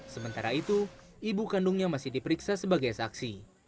sementara itu ibu kandungnya masih diperiksa sebagai saksi